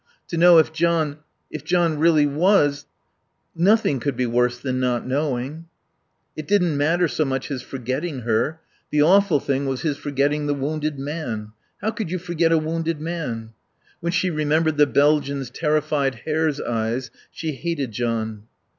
To know if John if John really was Nothing could be worse than not knowing. It didn't matter so much his forgetting her. The awful thing was his forgetting the wounded man. How could you forget a wounded man? When she remembered the Belgian's terrified hare's eyes she hated John.